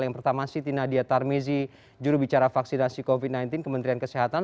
yang pertama siti nadia tarmizi jurubicara vaksinasi covid sembilan belas kementerian kesehatan